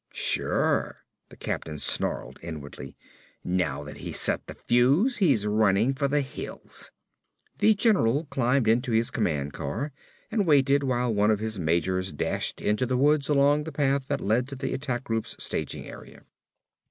Sure, the captain snarled inwardly, now that he's set the fuse he's running for the hills. The general climbed into his command car and waited while one of his majors dashed into the woods along the path that led to the attack group's staging area.